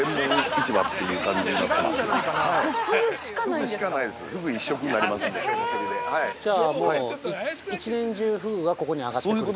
じゃあ一年中、ふぐがここに揚がってくると？